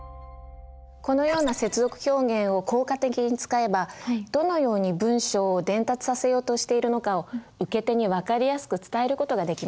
このような接続表現を効果的に使えばどのように文章を伝達させようとしているのかを受け手に分かりやすく伝える事ができます。